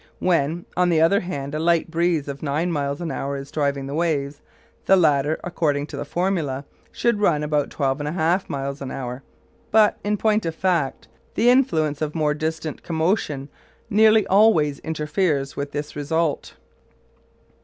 When, on the other hand, a light breeze of nine miles an hour is driving the waves, the latter, according to the formula, should run about twelve and a half miles an hour; but, in point of fact, the influence of more distant commotion nearly always interferes with this result.